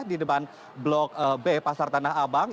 di depan blok b pasar tanah abang